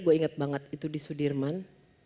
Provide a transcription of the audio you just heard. gue inget banget itu di sudirman